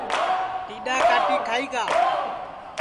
ٹیڈؔا کاٹی کھائی گا